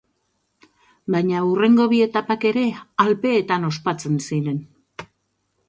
Baina hurrengo bi etapak ere Alpeetan ospatzen ziren.